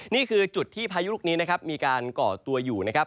นี่คือจุดที่พายุลูกนี้นะครับมีการก่อตัวอยู่นะครับ